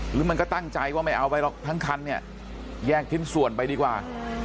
หรือมันก็ตั้งใจว่าไม่เอาไปหรอกทั้งคันเนี่ยแยกชิ้นส่วนไปดีกว่า